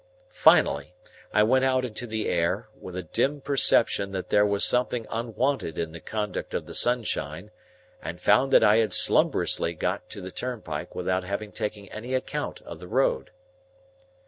Finally, I went out into the air, with a dim perception that there was something unwonted in the conduct of the sunshine, and found that I had slumberously got to the turnpike without having taken any account of the road.